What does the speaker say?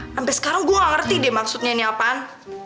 sampai sekarang gue gak ngerti deh maksudnya ini apaan